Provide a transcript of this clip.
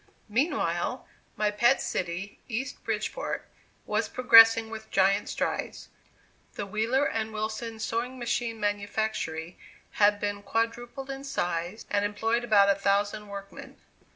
Meanwhile, my pet city, East Bridgeport, was progressing with giant strides. The Wheeler and Wilson Sewing Machine manufactory had been quadrupled in size, and employed about a thousand workmen.